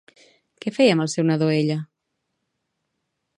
Què feia amb el seu nadó ella?